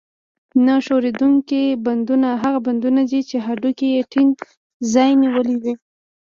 نه ښورېدونکي بندونه هغه بندونه دي چې هډوکي یې ټینګ ځای نیولی وي.